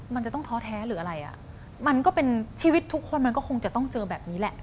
มันจะต้องท้อแท้หรืออะไรอ่ะมันก็เป็นชีวิตทุกคนมันก็คงจะต้องเจอแบบนี้แหละ